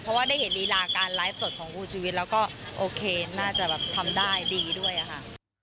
เพราะว่าได้เห็นลีลาการไลฟ์สดของคุณชุวิตแล้วก็โอเคน่าจะแบบทำได้ดีด้วยอะค่ะ